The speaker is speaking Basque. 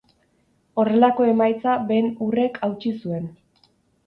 Horrelako emaitza Ben-Hurrek hautsi zuen.